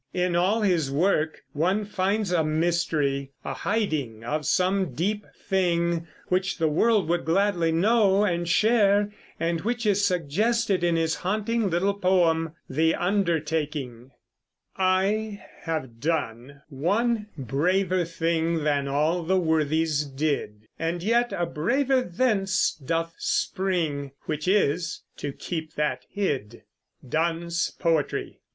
In all his work one finds a mystery, a hiding of some deep thing which the world would gladly know and share, and which is suggested in his haunting little poem, "The Undertaking": I have done one braver thing Than all the worthies did; And yet a braver thence doth spring, Which is, to keep that hid. DONNE'S POETRY.